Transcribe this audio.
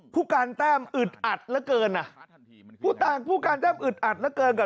ผู้การแต้มอึดอัดเหลือเกินน่ะผู้การแต้มอึดอัดเหลือเกินกับ